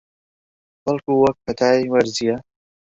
بەڵکوو وەک پەتای وەرزییە